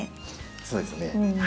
そうですね。